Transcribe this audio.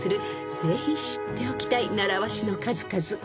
ぜひ知っておきたい習わしの数々］